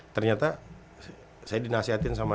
ternyata saya dinasihatin sama